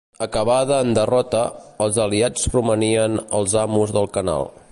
Acabada en derrota, els aliats romanien els amos del Canal.